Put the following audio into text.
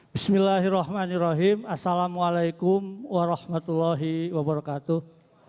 bismillahirrahmanirrahim assalamu'alaikum warahmatullahi wabarakatuh